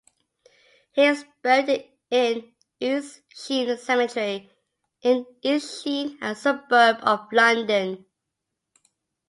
He is buried in East Sheen Cemetery in East Sheen, a suburb of London.